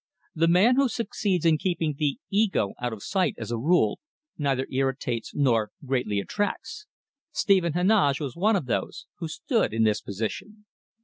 The man who succeeds in keeping the "ego" out of sight as a rule neither irritates nor greatly attracts. Stephen Heneage was one of those who stood in this position.